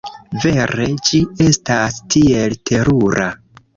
Vere. Ĝi estas tiel terura.